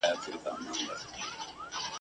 په ازل کي یې لیکلې یو له بله دښمني ده ..